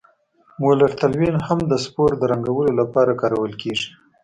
مولر تلوین هم د سپور د رنګولو لپاره کارول کیږي.